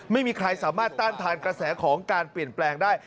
ไม่มีใครสามารถต้านทานกระแสของการเปลี่ยนแปลงได้